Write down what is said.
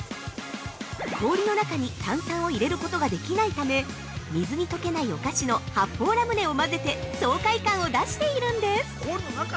◆氷の中に炭酸を入れることができないため、水に溶けないお菓子の発泡ラムネを混ぜて爽快感を出しているんです。